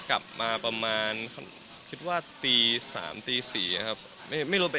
กลับมาประมาณคิดว่าตี๓ตี๔ครับ